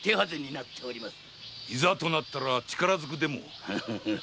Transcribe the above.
いざとなったら力ずくでも。